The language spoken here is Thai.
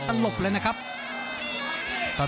ภูตวรรณสิทธิ์บุญมีน้ำเงิน